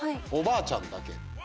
おばあちゃんだけ。